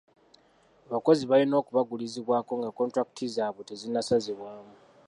Abakozi balina okubagulizibwako nga kontulakiti zaabwe tezinnasazibwamu.